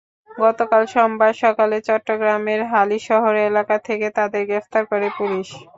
গতকাল সোমবার সকালে চট্টগ্রামের হালিশহর এলাকা থেকে তাঁদের গ্রেপ্তার করে পুলিশ।